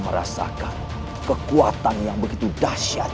memecah agama menjadi tujuh